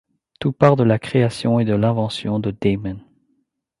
Tout part de la création et de l’invention de Damon.